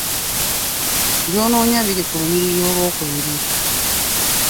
By'onoonya biri ku lunyiriri olw'okubiri.